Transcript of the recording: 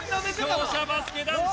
勝者バスケ男子！